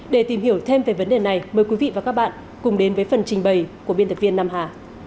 để tìm hiểu thêm về vấn đề này mời quý vị và các bạn cùng đến với phần trình bày của biên tập viên nam hà